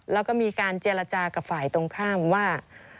แล้วก็มีการเจรจากับฝ่ายตรงข้ามว่า